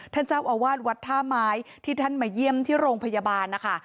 ท่านเจ้าอาวาสวัดท่าไม้ที่ท่านมาเยี่ยมที่โรงพยาบาลนะคะ